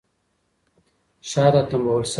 شاته تمبول شوې وه